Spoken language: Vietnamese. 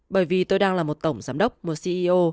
bởi vì tôi đang là một tổng giám đốc một ceo